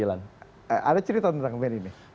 ada cerita tentang wni ini